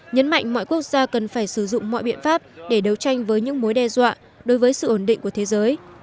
nhấn mạnh mọi quốc gia cần phải sử dụng mọi biện pháp để đấu tranh với những mối đe dọa đối với sự ổn định của thế giới